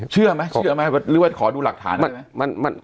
เชื่อไหมหรือว่าขอดูหลักฐานได้ไหม